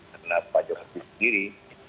karena pak jokowi sendiri